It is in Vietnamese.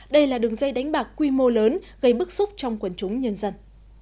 đây là đường dây đánh bạc quy mô lớn gây bức xúc trong quần chúng nhân dân